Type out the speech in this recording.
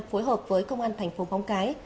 phối hợp với công an thành phố bóng cái